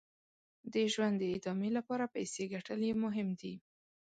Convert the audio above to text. د ژوند د ادامې لپاره پیسې ګټل یې مهم دي.